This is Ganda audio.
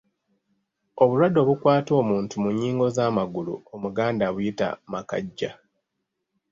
Obulwadde obukwata omuntu mu nnyingo z’amagulu omuganda abuyita makajja.